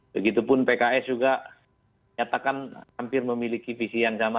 begitupun pks juga nyatakan hampir memiliki visi yang sama